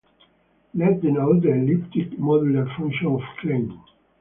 Let denote the elliptic modular function of Klein.